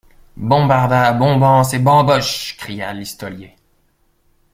Bombarda, Bombance et Bamboche ! cria Listolier.